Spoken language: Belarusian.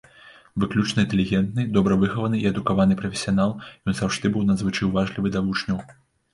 Выключна інтэлігентны, добра выхаваны і адукаваны прафесіянал, ён заўжды быў надзвычай уважлівы да вучняў.